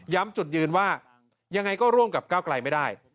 จุดยืนว่ายังไงก็ร่วมกับก้าวไกลไม่ได้